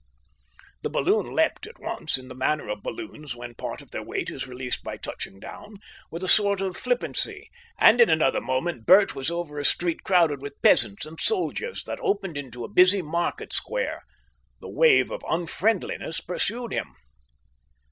The balloon leapt at once, in the manner of balloons when part of their weight is released by touching down, with a sort of flippancy, and in another moment Bert was over a street crowded with peasants and soldiers, that opened into a busy market square. The wave of unfriendliness pursued him.